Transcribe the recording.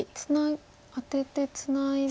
アテてツナいで。